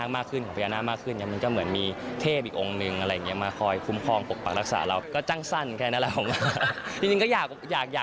มันเป็นภาษาเกาหลีด้วยค่ะ